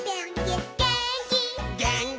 「げーんき」